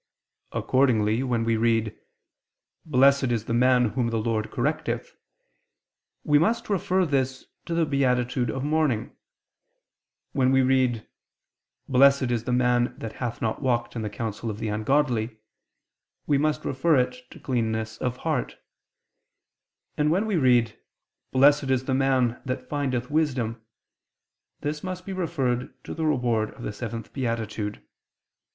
Accordingly, when we read, "Blessed is the man whom the Lord correcteth," we must refer this to the beatitude of mourning: when we read, "Blessed is the man that hath not walked in the counsel of the ungodly," we must refer it to cleanness of heart: and when we read, "Blessed is the man that findeth wisdom," this must be referred to the reward of the seventh beatitude.